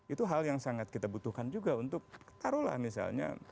itu hal yang sangat kita butuhkan juga untuk taruhlah misalnya